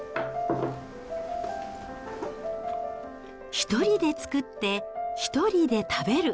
１人で作って、１人で食べる。